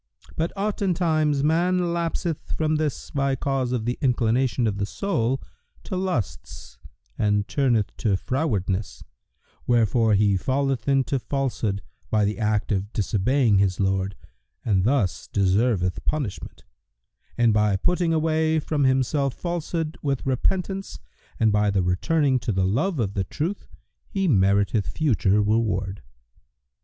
But oftentimes man lapseth from this by cause of the inclination of the soul to lusts and turneth to frowardness, wherefore he falleth into Falsehood by the act of disobeying his Lord and thus deserveth punishment; and by putting away from himself Falsehood with repentance and by the returning to the love of the Truth, he meriteth future reward."